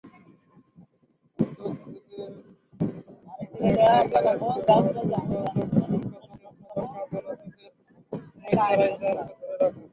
ত্বকভেদে ময়েশ্চারাইজারের ব্যবহারশুষ্ক ত্বকশুষ্ক ত্বকের প্রধান কাজ হলো ত্বকের ময়েশ্চারাইজার ধরে রাখা।